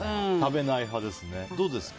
どうですか？